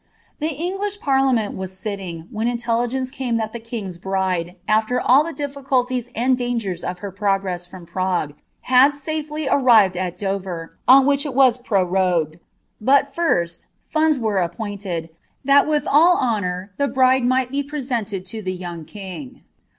'* i'he English parliameoi was silting, when intelligence came that the r'a bride, after all the diHiculiies and dangers of her progress from giie, had safely arrived at Dover, on which it was prurognei! ; but ., funds were appointed, that with all honour the bride might be pre ted U> the young king.